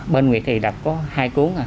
bên nguyệt thì đặt có hai cuốn